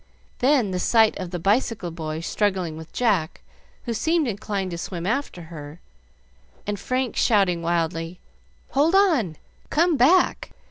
Then the sight of the bicycle boy struggling with Jack, who seemed inclined to swim after her, and Frank shouting wildly, "Hold on! Come back!"